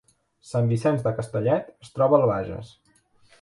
Sant Vicenç de Castellet es troba al Bages